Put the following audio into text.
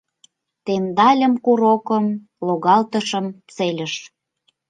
Темдальым курокым — логалтышым цельыш.